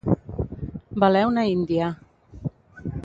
Valer una índia.